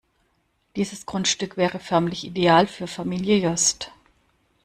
Dieses Grundstück wäre förmlich ideal für Familie Jost.